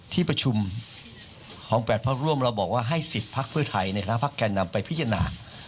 ที่ประชุมของ๘พักร่วมเราบอกว่าให้สิทธิ์พักเพื่อไทยใน๕พักแก่นำไปพิจารณา